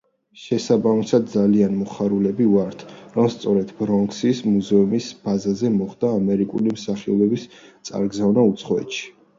შესაბამისად, ძალიან მოხარულები ვართ, რომ სწორედ ბრონქსის მუზეუმის ბაზაზე მოხდება ამერიკელი მსახიობების წარგზავნა უცხოეთში.